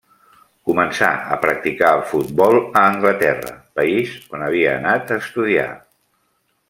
Començà a practicar el futbol a Anglaterra, país on havia anat a estudiar.